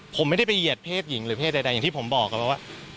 ผมไม่ได้ไปเหยียดเพศหญิงหรือเพศใดอย่างที่ผมบอกแล้วว่า